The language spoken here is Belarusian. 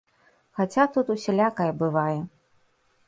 Хаця тут усялякае бывае.